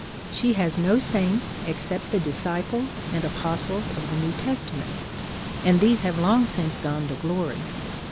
She has no saints except the disciples and apostles of the New Testament, and these have long since gone to glory.